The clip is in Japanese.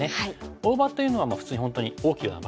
大場というのは普通に本当に大きな場所。